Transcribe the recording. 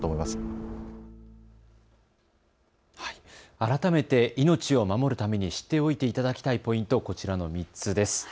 改めて命を守るために知っておいていただきたいポイント、こちらの３つです。